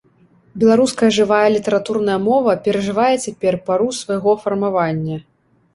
Беларуская жывая літаратурная мова перажывае цяпер пару свайго фармавання.